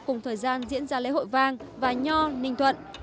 cùng thời gian diễn ra lễ hội vang và nho ninh thuận